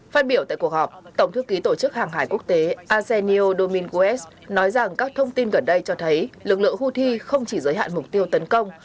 phát biểu tại cuộc họp tổng thư ký tổ chức hàng hải quốc tế azenio domin goes nói rằng các thông tin gần đây cho thấy lực lượng houthi không chỉ giới hạn mục tiêu tấn công